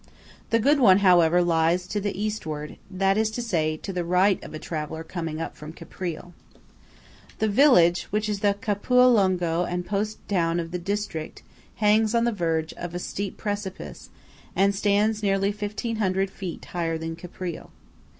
The good one, however, lies to the Eastward; that is to say, to the right of a traveller coming up from Caprile. The village, which is the Capoluogo and post town of the district, hangs on the verge of a steep precipice, and stands nearly 1,500 feet higher than Caprile.